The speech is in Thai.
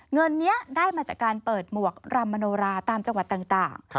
เงินนี้ได้มาจากการเปิดหมวกรำมโนราตามจังหวัดต่าง